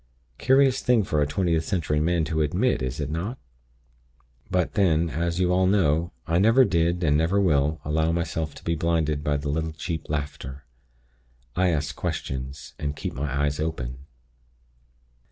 Curious thing for a Twentieth Century man to admit, is it not? But, then, as you all know, I never did, and never will, allow myself to be blinded by the little cheap laughter. I ask questions, and keep my eyes open.